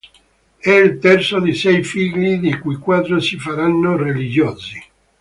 È il terzo di sei figli, di cui quattro si faranno religiosi.